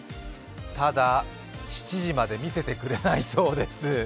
ただ、７時まで見せてくれないそうです。